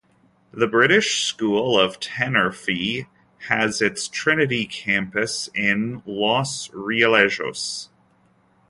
The British School of Tenerife has its Trinity Campus in Los Realejos.